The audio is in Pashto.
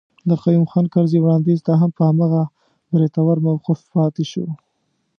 د قيوم خان کرزي وړانديز ته هم په هماغه بریتور موقف پاتي شو.